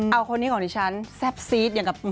เอาคนนี้ของดิฉันแซ่บซีดอย่างกับ